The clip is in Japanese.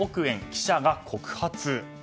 記者が告発。